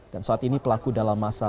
dan saat ini pelaku dalam amunisi